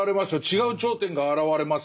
違う頂点が現れますよと。